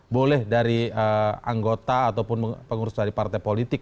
boleh dari anggota ataupun pengurus dari partai politik